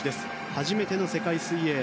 初めての世界水泳。